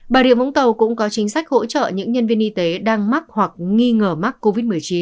bà rịa vũng tàu cũng có chính sách hỗ trợ những nhân viên y tế đang mắc hoặc nghi ngờ mắc covid một mươi chín